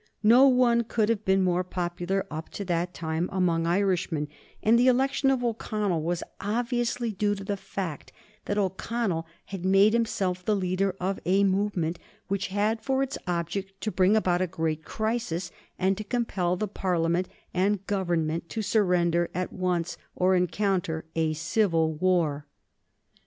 No one could have been more popular up to that time among Irishmen, and the election of O'Connell was obviously due to the fact that O'Connell had made himself the leader of a movement which had for its object to bring about a great crisis, and to compel the Parliament and the Government to surrender at once or encounter a civil war.